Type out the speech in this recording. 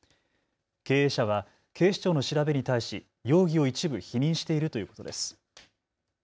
経営者は警視庁の調べに対し容疑を一部否認しているということです。